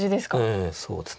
ええそうです。